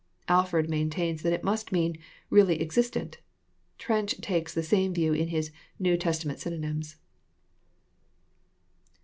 Alford maintains that it must mean " really existent.*' Trench takes the same view in his " New Testament Synonyms.